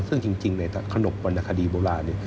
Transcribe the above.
ซึ่งจริงในขนบวรรณคดีโบราณ